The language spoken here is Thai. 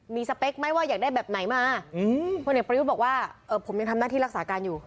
มีสเปคไหมว่าอยากได้แบบไหนมาพลเอกประยุทธ์บอกว่าผมยังทำหน้าที่รักษาการอยู่